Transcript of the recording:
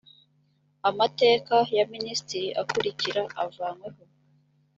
amateka ya minisitiri akurikira avanyweho